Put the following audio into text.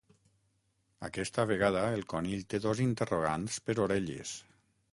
Aquesta vegada el conill té dos interrogants per orelles.